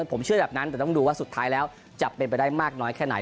ผมเชื่อแบบนั้นแต่ต้องดูว่าสุดท้ายแล้วจะเป็นไปได้มากน้อยแค่ไหน